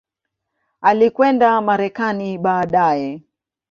Alikwenda Marekani baadaye.